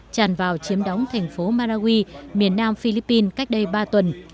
tràn vào chiếm đóng thành phố marawi miền nam philippines cách đây ba tuần